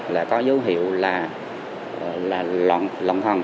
là có dấu hiệu là lòng thần